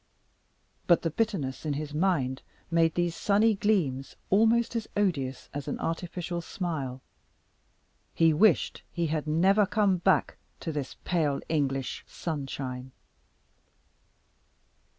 But the bitterness in his mind made these sunny gleams almost as odious as an artificial smile. He wished he had never come back to this pale English sunshine.